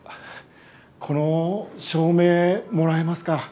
この照明もらえますか？